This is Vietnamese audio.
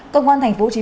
công an tp hcm